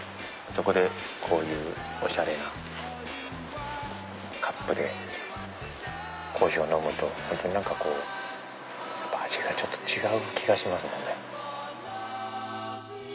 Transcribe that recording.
そこでこういうおしゃれなカップでコーヒーを飲むと味がちょっと違う気がしますもんね。